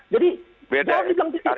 jadi kalau tidak titipan